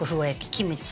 キムチ